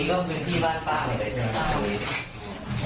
โอ้โห